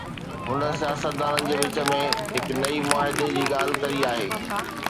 هن سياستدانن جي وچ ۾ هڪ نئين معاهدي جي ڳالهه ڪئي آهي.